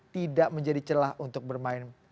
tidak menjadi celah untuk bermain